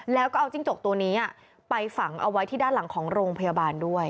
แล้วก็เอาจิ้งจกตัวนี้ไปฝังเอาไว้ที่ด้านหลังของโรงพยาบาลด้วย